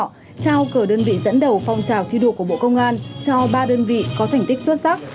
trao cờ đơn vị dẫn đầu phong trào thi đua của bộ công an cho ba đơn vị có thành tích xuất sắc